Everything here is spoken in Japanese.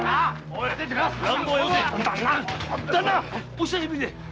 お久しぶりで！